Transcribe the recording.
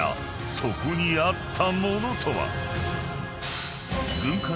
［そこにあったものとは？］